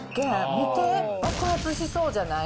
見て、爆発しそうじゃない？